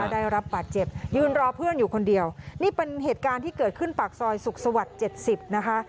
ได้รับบาดเจ็บยืนรอเพื่อนอยู่คนเดียวนี่เป็นเหตุการณ์ที่เกิดขึ้นปากซอยสุขสวรรค์๗๐นะคะ